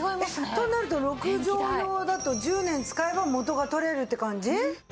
となると６畳用だと１０年使えば元が取れるって感じ？